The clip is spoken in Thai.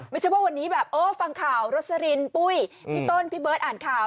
ไม่ใช่ว่าวันนี้แบบโอ้ฟังข่าวรสลินปุ้ยพี่ต้นพี่เบิร์ตอ่านข่าว